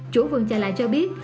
chủ vườn trà lạ cho biết